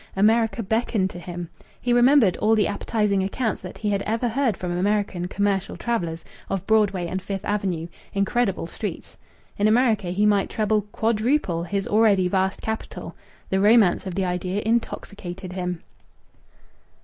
America beckoned to him. He remembered all the appetizing accounts that he had ever heard from American commercial travellers of Broadway and Fifth Avenue incredible streets. In America he might treble, quadruple, his already vast capital. The romance of the idea intoxicated him.